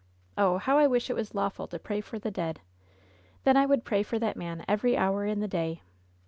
Oh, how I wish it was lawful to pray for the dead I Then I would pray for that man every hour in the day.